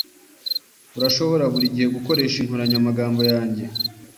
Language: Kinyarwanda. Urashobora buri gihe gukoresha inkoranyamagambo yanjye.